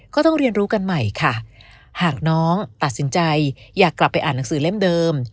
ก็ต้องเรียนรู้กันใหม่ค่ะหากน้องตัดสินใจอยากกลับไปอ่านหนังสือเล่มเดิม